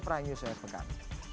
prime news rs pekan